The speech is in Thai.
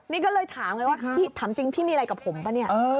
นี่ก็เลยถามเลยว่าถามจริงพี่มีอะไรกับผมหรือเปล่า